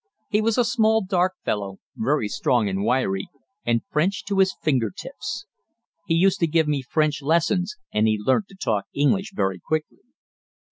He was a small dark fellow, very strong and wiry, and French to his finger tips. He used to give me French lessons, and he learnt to talk English very quickly.